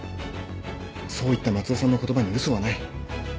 そう言った松尾さんの言葉に嘘はない。